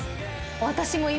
私も今、